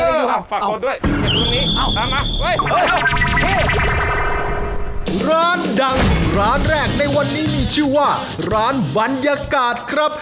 ฝากก่อนด้วยร้านดังร้านแรกในวันนี้มีชื่อว่าร้านบรรยากาศครับ